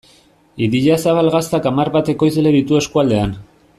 Idiazabal Gaztak hamar bat ekoizle ditu eskualdean.